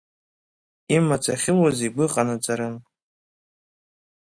Имаҵ ахьылуаз игәы ҟанаҵарын.